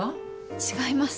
違います。